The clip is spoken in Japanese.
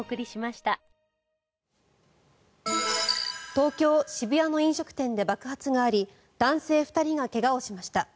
東京・渋谷の飲食店で爆発があり男性２人が怪我をしました。